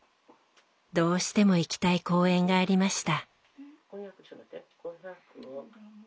どうしても行きたい公演がありました。